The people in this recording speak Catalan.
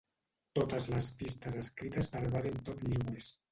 Totes les pistes escrites per Vaden Todd Lewis.